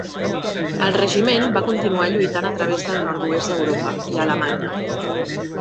El regiment va continuar lluitant a través del nord-oest d'Europa i a Alemanya.